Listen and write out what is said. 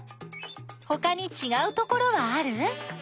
ほかにちがうところはある？